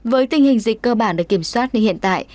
với tình hình dịch cơ bản được kiểm soát như hiện tại